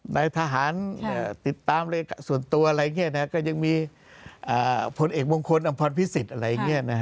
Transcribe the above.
นายทหารติดตามส่วนตัวอย่างยังมีเกษตรพจน์พลเอกมงคลอำพ่อพิสิทธิ์